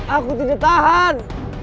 aku tidak tahan